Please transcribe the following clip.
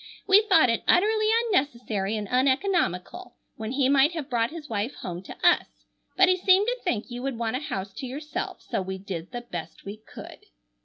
"We thought it utterly unnecessary and uneconomical, when he might have brought his wife home to us, but he seemed to think you would want a house to yourself, so we did the best we could."